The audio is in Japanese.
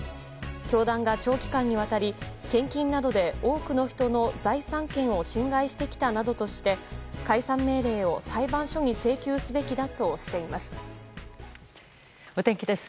教団が長期間にわたり献金などで多くの人の財産権を侵害してきたなどとして解散命令を裁判所に請求すべきだとしています。